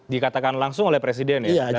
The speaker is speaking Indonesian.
dikatakan langsung oleh presiden ya